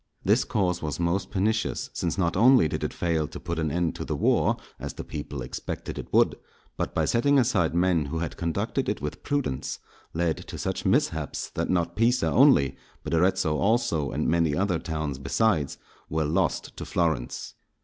This course was most pernicious, since not only did it fail to put an end to the war, as the people expected it would, but by setting aside men who had conducted it with prudence, led to such mishaps that not Pisa only, but Arezzo also, and many other towns besides were lost to Florence.